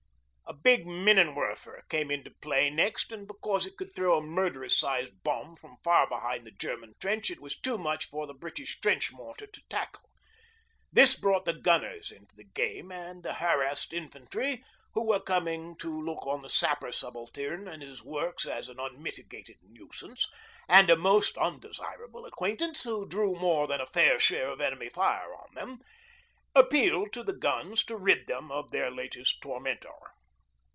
A big minnenwerfer came into play next, and because it could throw a murderous sized bomb from far behind the German trench it was too much for the British trench mortar to tackle. This brought the gunners into the game, and the harassed infantry (who were coming to look on the Sapper Subaltern and his works as an unmitigated nuisance and a most undesirable acquaintance who drew more than a fair share of enemy fire on them) appealed to the guns to rid them of their latest tormentor.